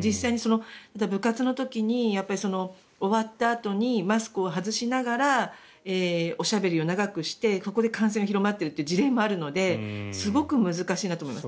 実際に部活の時に終わったあとにマスクを外しながらおしゃべりを長くしてそこで感染が広まっているという事例もあるのですごく難しいなと思います。